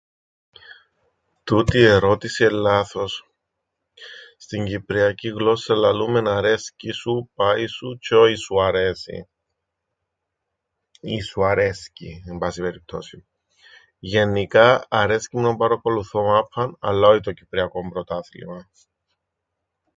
"Τούτη η ερώτηση εν' λάθος. Στην κυπριακήν γλώσσαν λαλούμεν ""αρέσκει σου, πάει σου"" τζ̆αι όι ""σου αρέσει"". Ή ""σου αρέσκει"", εν πάση περιπτώσει. Γεννικά αρέσκει μου να παρακολουθώ μάππαν, αλλά όι το κυπριακόν πρωτάθλημαν."